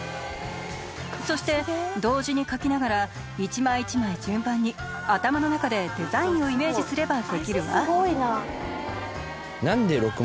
そして同時に描きながら１枚１枚順番に頭の中でデザインをイメージすればできるわ。